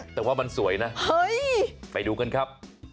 แต่ว่ามันสวยนะเฮ้ยไปดูกันครับ